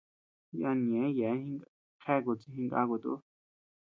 Yana ñeʼë yeabean jeakut chi jinkakut uu.